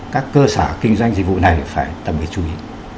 các cơ sở kinh doanh dịch vụ này phải tầm biệt chú ý